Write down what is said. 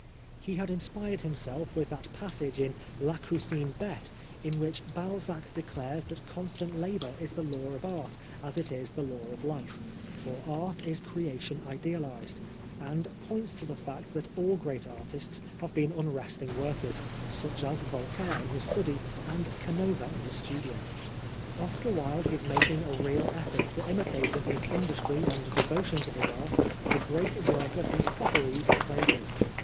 He had inspired himself with that passage in La Cousine Bette in which Bal zac declares that constant labour is the law of art as it is the law of life, for art is creation idealised, and points to the fact that all great artists have been unresting workers such as Voltaire in his study and Canova in his studio. Oscar Wilde was making a real effort to imitate in his industry and devotion to his art, the great worker whose fopperies he 27 Oscar Wilde played with.